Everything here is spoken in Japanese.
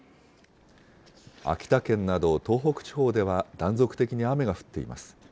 秋田県など東北地方では、断続的に雨が降っています。